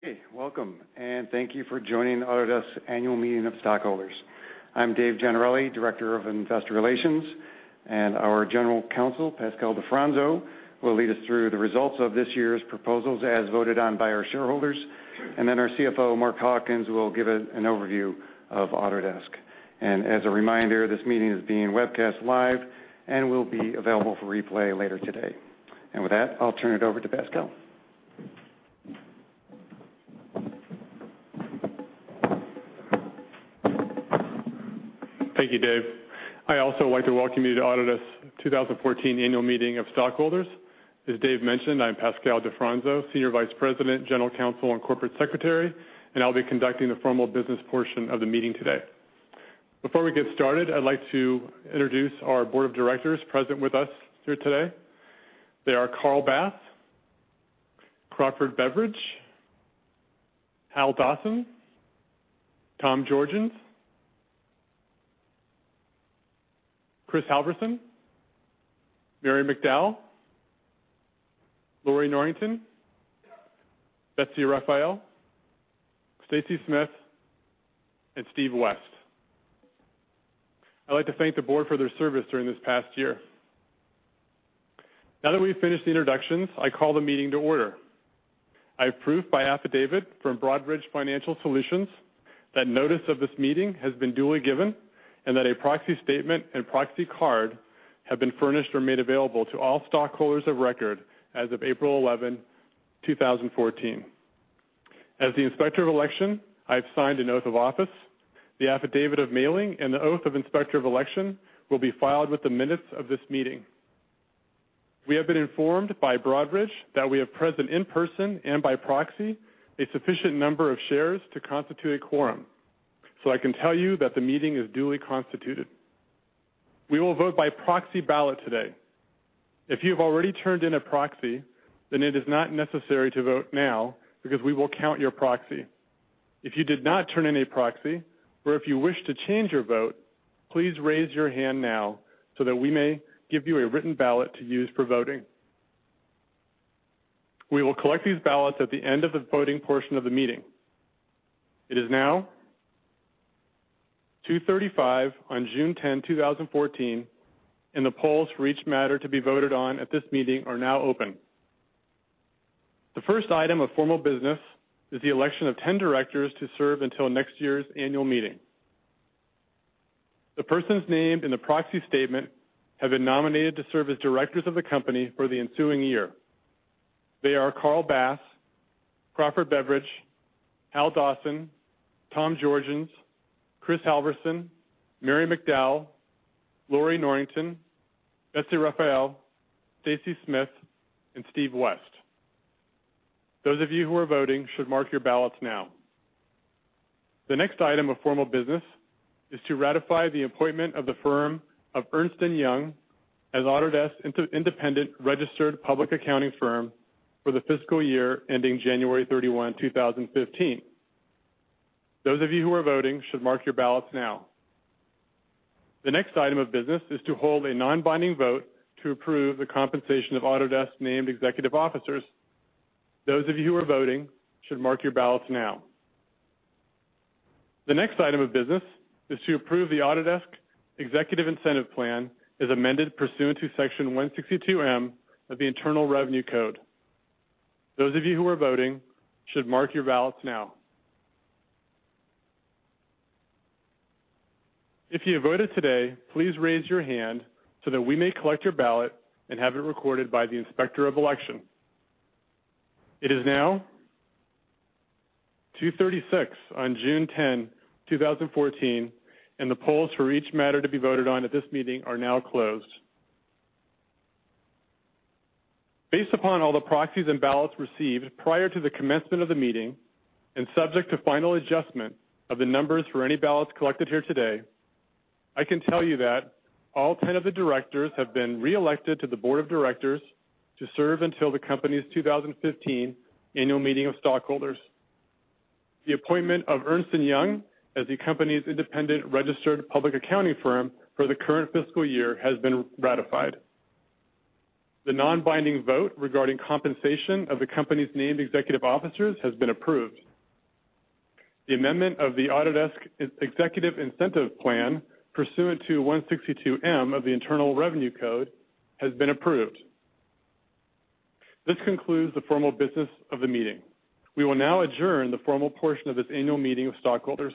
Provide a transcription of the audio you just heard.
Hey, welcome, thank you for joining Autodesk Annual Meeting of Stockholders. I'm Dave Gennarelli, Director of Investor Relations. Our General Counsel, Pascal Di Fronzo, will lead us through the results of this year's proposals as voted on by our shareholders. Then our CFO, Mark Hawkins, will give an overview of Autodesk. As a reminder, this meeting is being webcast live and will be available for replay later today. With that, I'll turn it over to Pascal. Thank you, Dave. I also would like to welcome you to Autodesk 2014 Annual Meeting of Stockholders. As Dave mentioned, I'm Pascal Di Fronzo, Senior Vice President, General Counsel, and Corporate Secretary. I'll be conducting the formal business portion of the meeting today. Before we get started, I'd like to introduce our Board of Directors present with us here today. They are Carl Bass, Crawford Beveridge, Hal Dawson, Tom Georgens, Rick Hill, Mary McDowell, Lorrie Norrington, Betsy Rafael, Stacy Smith, and Steve West. I'd like to thank the Board for their service during this past year. Now that we've finished the introductions, I call the meeting to order. I have proof by affidavit from Broadridge Financial Solutions that notice of this meeting has been duly given and that a proxy statement and proxy card have been furnished or made available to all stockholders of record as of April 11, 2014. As the Inspector of Election, I have signed an oath of office. The affidavit of mailing and the oath of Inspector of Election will be filed with the minutes of this meeting. We have been informed by Broadridge that we have present in person and by proxy, a sufficient number of shares to constitute a quorum. I can tell you that the meeting is duly constituted. We will vote by proxy ballot today. If you have already turned in a proxy, it is not necessary to vote now because we will count your proxy. If you did not turn in a proxy, or if you wish to change your vote, please raise your hand now so that we may give you a written ballot to use for voting. We will collect these ballots at the end of the voting portion of the meeting. It is now 2:35 P.M. on June 10, 2014. The polls for each matter to be voted on at this meeting are now open. The first item of formal business is the election of 10 directors to serve until next year's annual meeting. The persons named in the proxy statement have been nominated to serve as directors of the company for the ensuing year. They are Carl Bass, Crawford Beveridge, Hal Dawson, Tom Georgens, Rick Hill, Mary McDowell, Lorrie Norrington, Betsy Rafael, Stacy Smith, and Steve West. Those of you who are voting should mark your ballots now. The next item of formal business is to ratify the appointment of the firm of Ernst & Young as Autodesk's independent registered public accounting firm for the fiscal year ending January 31, 2015. Those of you who are voting should mark your ballots now. The next item of business is to hold a non-binding vote to approve the compensation of Autodesk named executive officers. Those of you who are voting should mark your ballots now. The next item of business is to approve the Autodesk Executive Incentive Plan as amended pursuant to Section 162 of the Internal Revenue Code. Those of you who are voting should mark your ballots now. If you have voted today, please raise your hand so that we may collect your ballot and have it recorded by the Inspector of Election. It is now 2:36 P.M. on June 10, 2014, and the polls for each matter to be voted on at this meeting are now closed. Based upon all the proxies and ballots received prior to the commencement of the meeting and subject to final adjustment of the numbers for any ballots collected here today, I can tell you that all 10 of the directors have been reelected to the board of directors to serve until the company's 2015 annual meeting of stockholders. The appointment of Ernst & Young as the company's independent registered public accounting firm for the current fiscal year has been ratified. The non-binding vote regarding compensation of the company's named executive officers has been approved. The amendment of the Autodesk Executive Incentive Plan pursuant to 162 of the Internal Revenue Code has been approved. This concludes the formal business of the meeting. We will now adjourn the formal portion of this annual meeting of stockholders.